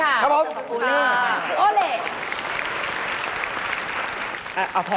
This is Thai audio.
ครับผมอุ๊ยค่ะโอเล่